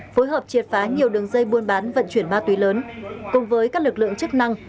phối hợp triệt phá nhiều đường dây buôn bán vận chuyển ma túy lớn cùng với các lực lượng chức năng